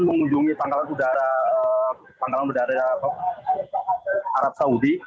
mengunjungi pangkalan udara arab saudi